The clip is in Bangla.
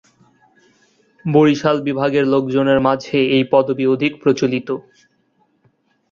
বরিশাল বিভাগের লোকজনের মাঝে এই পদবি অধিক প্রচলিত।